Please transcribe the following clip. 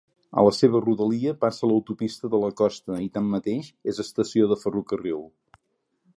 A la seva rodalia passa l'autopista de la costa i tanmateix és estació de ferrocarril.